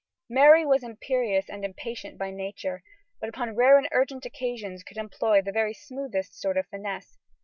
Mary was imperious and impatient, by nature, but upon rare and urgent occasions could employ the very smoothest sort of finesse.